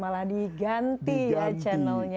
malah diganti ya channelnya